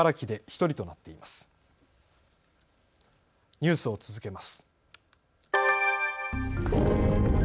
ニュースを続けます。